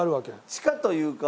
地下というか。